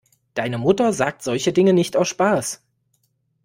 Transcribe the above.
Deine Mutter sagt solche Dinge nicht aus Spaß.